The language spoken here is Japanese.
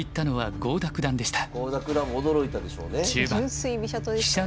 郷田九段も驚いたでしょうね。